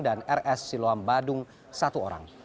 dan rs siloam badung satu orang